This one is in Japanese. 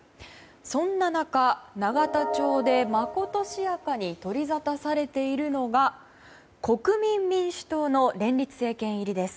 そんな中、永田町でまことしやかに取り沙汰されているのが国民民主党の連立政権入りです。